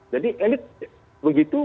jadi elit begitu